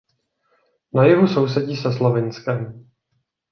Na jihu sousedí se Slovinskem.